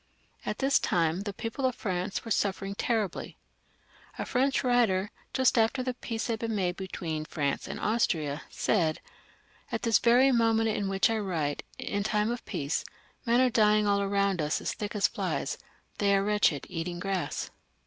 At this time the people of France were suffering 2b 370 LOUIS XV, [CH. — I ,..,—,_ terribly. A French writer, just after the peace had been made between France and « Austria, said: *'At this very moment in which I write, in time of peace, men are dying all round us, as thick as flies ; they are wretched, eating grass."